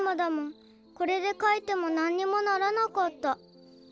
これでかいてもなんにもならなかった。